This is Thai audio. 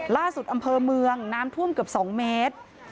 ล่าสุดอำเภอเมืองน้ำท่วมเกือบสองเมตร